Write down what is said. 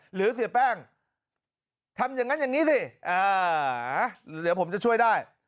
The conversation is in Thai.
เสียแป้งทำอย่างนั้นอย่างนี้สิเดี๋ยวผมจะช่วยได้